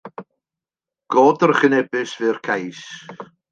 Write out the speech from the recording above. Go drychinebus fu'r cais.